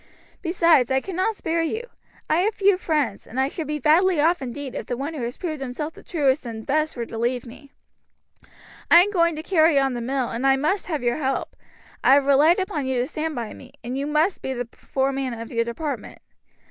Besides, I cannot spare you. I have few friends, and I should be badly off indeed if the one who has proved himself the truest and best were to leave me. I am going to carry on the mill, and I must have your help. I have relied upon you to stand by me, and you must be the foreman of your department.